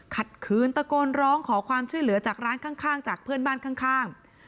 ขัดขืนตะโกนร้องขอความช่วยเหลือจากร้านข้างจากเพื่อนบ้านข้าง